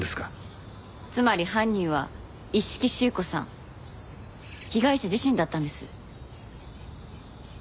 つまり犯人は一色朱子さん被害者自身だったんです。